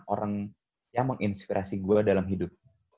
orang yang menginspirasi gue dalam hidup